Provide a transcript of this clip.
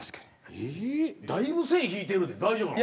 ええっだいぶ線引いてるで大丈夫なん？